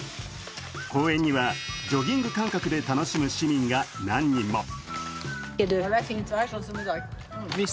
公園には、ジョギング感覚で楽しむ市民が何人も。